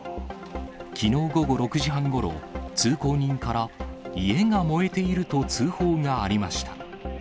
きのう午後６時半ごろ、通行人から、家が燃えていると通報がありました。